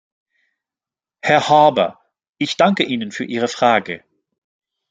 Herr Harbour, ich danke Ihnen für Ihre Frage.